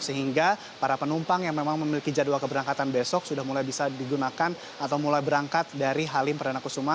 sehingga para penumpang yang memang memiliki jadwal keberangkatan besok sudah mulai bisa digunakan atau mulai berangkat dari halim perdana kusuma